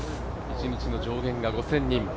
一日の上限が５０００人。